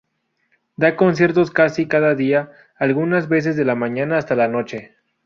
Da conciertos casi cada día, algunas veces de la mañana hasta la noche.